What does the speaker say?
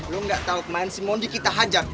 lu gak tahu keman si mondi kita hajar